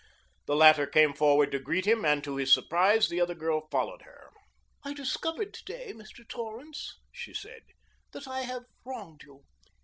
The latter came forward to greet him, and to his surprise the other girl followed her. "I discovered to day, Mr. Torrance," she said, "that I have wronged you.